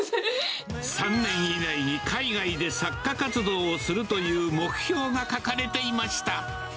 ３年以内に海外で作家活動をするという目標が書かれていました。